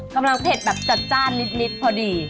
กำลังเผ็ดแบบจัดจ้านนิดพอดี